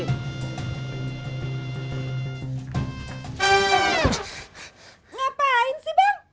ngapain sih bang